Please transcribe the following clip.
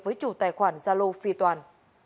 với chủ tài khoản zalo phi toàn